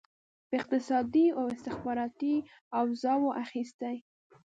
په اقتصادي او استخباراتي اوزارو اخیستي.